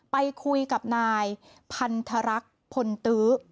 ไปคุยกับนายพันธรรักษ์พลตื้อ